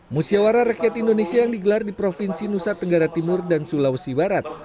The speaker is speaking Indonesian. musyawarah rakyat indonesia yang digelar di provinsi nusa tenggara timur dan sulawesi barat